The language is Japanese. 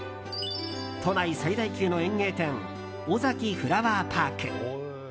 都内最大級の園芸店オザキフラワーパーク。